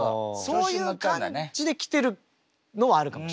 そういう感じで来てるのはあるかもしれない。